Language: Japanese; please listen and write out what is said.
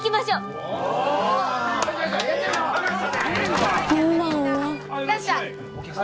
ああいらっしゃい。